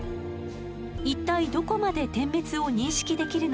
一体どこまで点滅を認識できるのか。